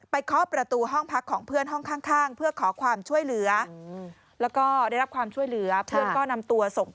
ไปเคาะประตูห้องพักของเพื่อนห้องข้าง